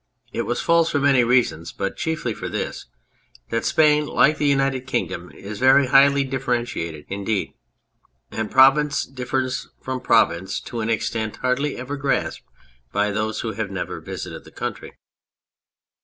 It was false for many reasons, but chiefly for this : that Spain, like the United Kingdom, is very highly differentiated indeed, and province differs from province to an extent hardly ever grasped by those who have never visited the country.